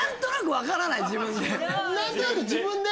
自分で何となく自分で？